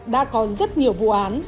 đã có rất nhiều vụ án